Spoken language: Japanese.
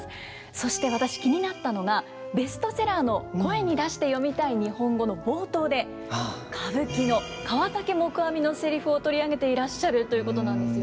そして私気になったのがベストセラーの「声に出して読みたい日本語」の冒頭で歌舞伎の河竹黙阿弥のセリフを取り上げていらっしゃるということなんですよね。